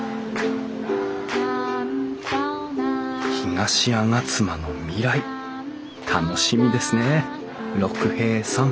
東吾妻の未来楽しみですね六平さん